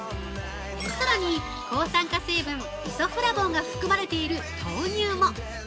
さらに、抗酸化成分イソフラボンが含まれている豆乳も。